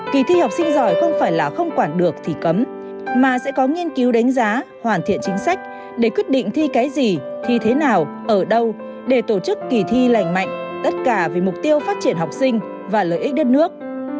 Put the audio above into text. kỳ thi học sinh giỏi không phải là không quản được thì cấm mà sẽ có nghiên cứu đánh giá hoàn thiện chính sách để quyết định thi cái gì thi thế nào ở đâu để tổ chức kỳ thi lành mạnh tất cả vì mục tiêu phát triển học sinh và lợi ích đất nước